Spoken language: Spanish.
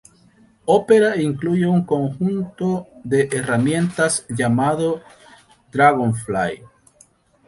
Opera incluye un conjunto de herramientas llamado Dragonfly.